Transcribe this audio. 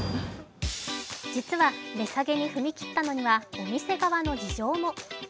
実は値下げに踏み切ったのにはお店側の事情も。